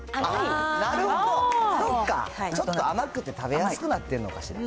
なるほど、そっか、ちょっと甘くて食べやすくなってるのかしら。